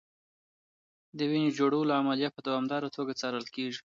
د وینې جوړولو عملیه په دوامداره توګه څارل کېږي.